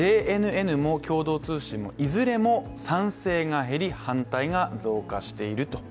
ＪＮＮも共同通信もいずれも賛成が減り反対が上回りました。